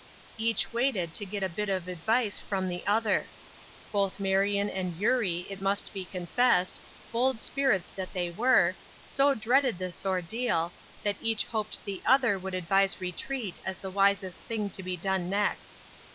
Each waited to get a bit of advice from the other. Both Marion and Eurie, it must be confessed, bold spirits that they were, so dreaded this ordeal, that each hoped the other would advise retreat as the wisest thing to be done next.